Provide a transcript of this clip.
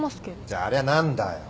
じゃああれは何だよ？